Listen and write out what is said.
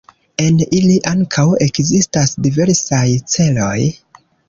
En ili ankaŭ ekzistas diversaj celoj.